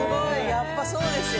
やっぱそうですよね。